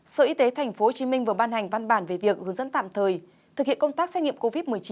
sở y tế tp hcm vừa ban hành văn bản về việc hướng dẫn tạm thời thực hiện công tác xét nghiệm covid một mươi chín